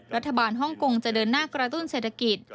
ฮ่องกงจะเดินหน้ากระตุ้นเศรษฐกิจ